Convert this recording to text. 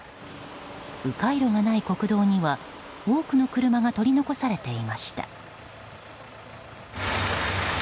迂回路がない国道には多くの車が取り残されていました。